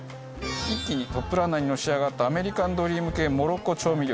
一気にトップランナーにのし上がったアメリカンドリーム系モロッコ調味料です。